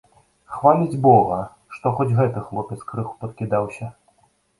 Хваліць бога, што хоць гэты хлопец крыху падкідаўся.